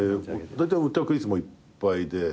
だいたいお客いつもいっぱいで。